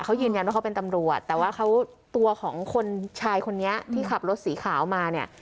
เขายืนยันว่าเขาเป็นตำรวจแต่ว่าเขาตัวของคนชายคนนี้ที่ขับรถสีขาวมาเนี่ย